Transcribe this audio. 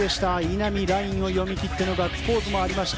稲見、ラインを読み切ってのガッツポーズもありました。